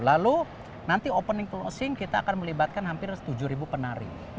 lalu nanti opening closing kita akan melibatkan hampir tujuh penari